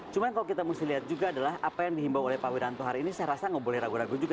cuma kalau kita mesti lihat juga adalah apa yang dihimbau oleh pak wiranto hari ini saya rasa nggak boleh ragu ragu juga